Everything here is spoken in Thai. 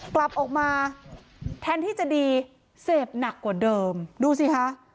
กลับออกมาแทนที่จะดีเสพหนักกว่าเดิมดูสิคะ